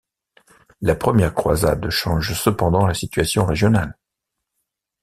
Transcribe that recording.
La première croisade change cependant la situation régionale.